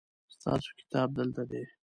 ستاسو کتاب دلته دی